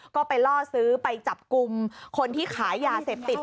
ก็ไปล่อซื้อไปจับกลุ่มคนที่ขายยาเสพติด